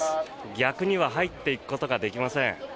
逆には入っていくことができません。